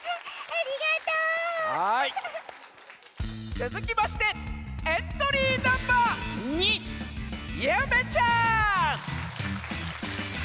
つづきましてエントリーナンバー２ゆめちゃん！